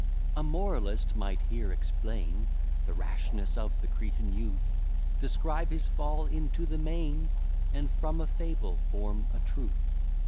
A moralist might here explain The rashness of the Cretan youth; Describe his fall into the main, And from a fable form a truth.